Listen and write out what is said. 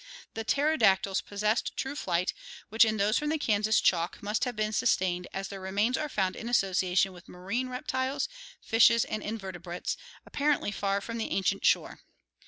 The pterodactyls possessed true flight, which in those from the Kansas chalk must have been sustained, as their remains are found in association with marine reptiles, fishes, and invertebrates, apparently far from the ancient shore.